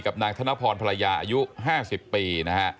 กับนางธนพรภรรยาอายุ๕๐ปี